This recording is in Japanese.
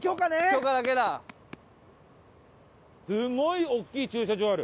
すごい大きい駐車場ある！